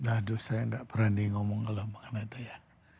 aduh saya nggak berani ngomong kalau mengenai itu ya